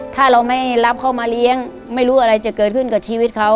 ถ้าเราไม่รับเขามาเลี้ยงไม่รู้อะไรจะเกิดขึ้นกับชีวิตเขา